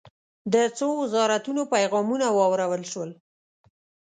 د څو وزارتونو پیغامونه واورل شول.